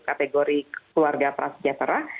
kategori keluarga praseja terah